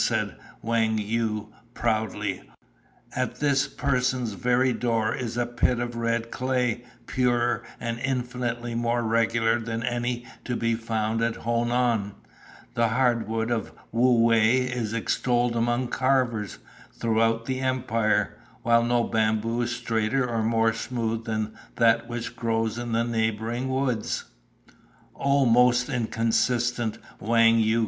said Wang Yu proudly. "At this person's very door is a pit of red clay, purer and infinitely more regular than any to be found at Honan; the hard wood of Wu whei is extolled among carvers throughout the Empire, while no bamboo is straighter or more smooth than that which grows in the neighbouring woods." "O most inconsistent Wang Yu!"